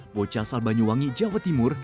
bocah salbanyuwangi jawa timur